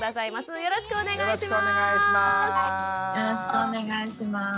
よろしくお願いします。